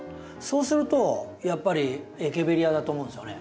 そうするとやっぱりエケベリアだと思うんですよね。